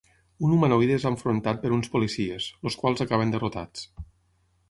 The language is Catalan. Un humanoide és enfrontat per uns policies, els quals acaben derrotats.